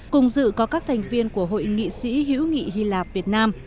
cùng dự có các thành viên của hội nghị sĩ hữu nghị hy lạp việt nam